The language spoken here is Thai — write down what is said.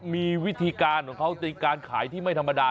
มีวิธีการของเขาในการขายที่ไม่ธรรมดา